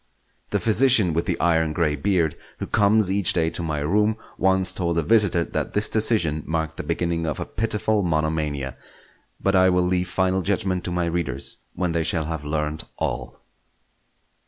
The physician with the iron grey beard who comes each day to my room once told a visitor that this decision marked the beginning of a pitiful monomania; but I will leave final judgment to my readers when they shall have learnt all.